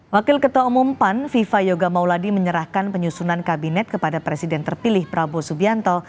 wakil ketua umum pan viva yoga mauladi menyerahkan penyusunan kabinet kepada presiden terpilih prabowo subianto